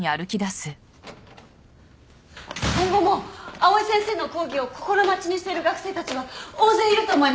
今後も藍井先生の講義を心待ちにしている学生たちは大勢いると思います。